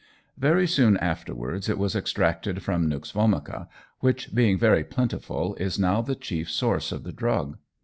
Very soon afterwards it was extracted from nux vomica, which, being very plentiful, is now the chief source of the drug.